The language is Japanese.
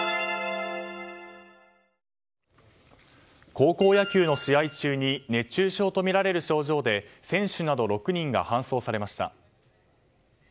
高校野球の試合中に熱中症とみられる症状で選手など６人が搬送されました。